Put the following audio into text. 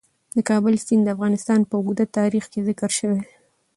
د کابل سیند د افغانستان په اوږده تاریخ کې ذکر شوی دی.